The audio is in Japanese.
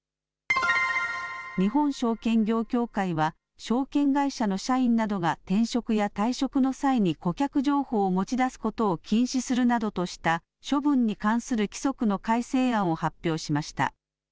日本証券業協会は証券会社の社員などが転職や退職の際に顧客情報を持ち出すことを禁止するなどとした処分に関する規則の改正案を発表しました。